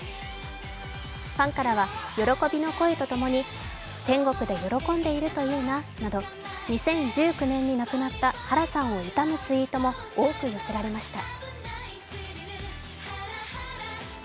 ファンからは喜びの声とともに天国で喜んでいるといいななど２０１９年に亡くなったハラさんを悼むツイートも多く寄せられました。